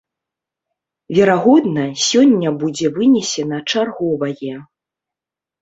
Верагодна, сёння будзе вынесена чарговае.